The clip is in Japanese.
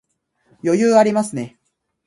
余裕ありますね